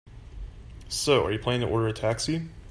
So, are you planning to order a taxi?